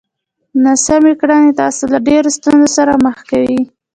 ناسمې کړنې تاسو له ډېرو ستونزو سره مخ کوي!